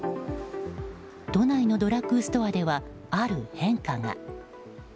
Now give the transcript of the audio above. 都内のドラッグストアではある変化が。